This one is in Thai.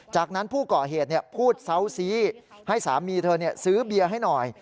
จากนั้นผู้ก่อเหตุพูดเซาซีให้สามีเธอซื้อเบียร์ให้หน่อย